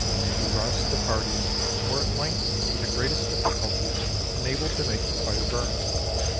We roused the party, and were at length, with the greatest difficulty, enabled to make the fire burn.